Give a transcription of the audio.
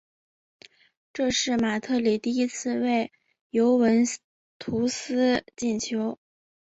这是马特里第一次为尤文图斯进球。